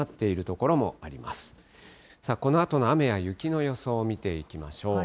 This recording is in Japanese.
このあとの雨や雪の予想を見ていきましょう。